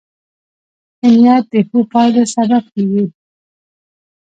ښه نیت د ښو پایلو سبب کېږي.